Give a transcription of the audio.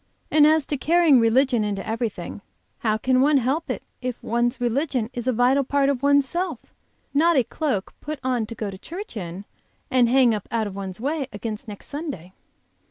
And as to carrying religion into everything, how can one help it if one's religion is a vital part of one's self, not a cloak put on to go to church in and hang up out of the way against next Sunday?"